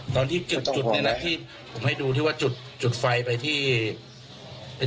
ตอนที่พี่หัวห่วงผมให้ดูจุดไฟไปที่เมหี่แล้ว